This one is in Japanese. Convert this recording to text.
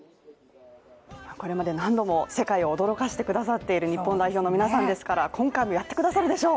これまで何度も世界を驚かせてくださっている日本代表の皆さんですから今回もやってくださるでしょう。